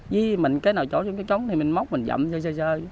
với mình cái nào chổ trong cái trống thì mình móc mình dậm sơ sơ